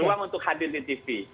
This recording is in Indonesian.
berjuang untuk hadir di tv